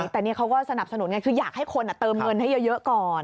แต่นี่เขาก็สนับสนุนไงคืออยากให้คนเติมเงินให้เยอะก่อน